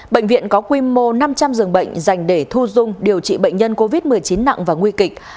bệnh viện có quy mô năm trăm linh giường bệnh dành để thu dung điều trị bệnh nhân covid một mươi chín nặng và nguy kịch